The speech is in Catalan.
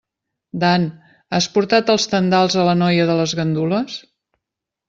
Dan, has portat els tendals a la noia de les gandules?